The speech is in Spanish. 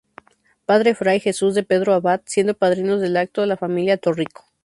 Padre Fray Jesús de Pedro Abad, siendo padrinos del acto la familia Torrico.